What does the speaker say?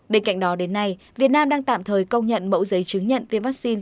bên cạnh đó đến nay việt nam đang tạm thời công nhận mẫu giấy chứng nhận tiêm vaccine